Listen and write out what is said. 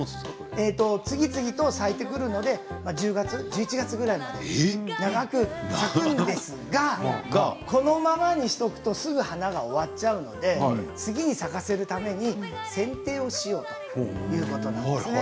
次々咲くので１１月ぐらいまで長く咲くんですがこのままにしておくとすぐ花が終わっちゃうので次に咲かせるために、せんていをしようということなんですね。